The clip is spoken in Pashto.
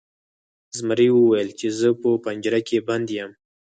زمري وویل چې زه په پنجره کې بند یم.